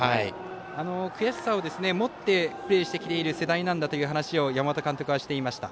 悔しさをもってプレーしてきている世代なんだという話を山本監督はしていました。